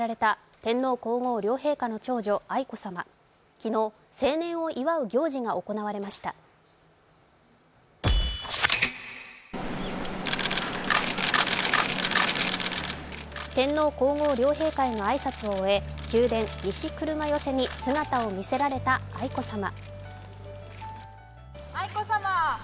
天皇・皇后両陛下への挨拶を終え宮殿西車寄に姿を見せられた愛子さま。